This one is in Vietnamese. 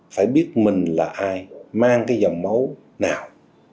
phải biết mình là ai mang cái dòng máu nào